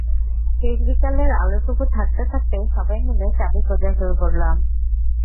শেষ বিকেলের আলোটুকু থাকতে থাকতে সবাই মিলে চাবি খোঁজা শুরু করলাম।